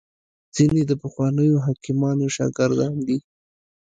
ځیني د پخوانیو حکیمانو شاګردان دي